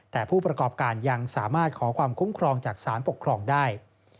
แต่ผู้ประกอบการยังสามารถขอความคุ้มครองจากสารปกครองได้